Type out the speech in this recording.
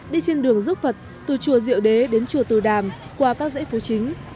đi trên đường rước phật từ chùa diệu đế đến chùa từ đàm qua các dãy phố chính